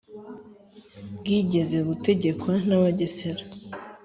bwigeze gutegekwa n'abagesera.